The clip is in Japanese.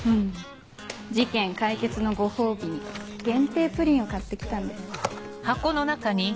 事件解決のご褒美に限定プリンを買って来たんです。